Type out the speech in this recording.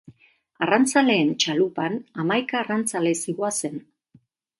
Arrantzaleen txalupan hamaika arrantzale zihoazen.